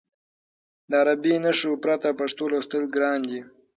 د عربي نښو پرته پښتو لوستل ګران دي.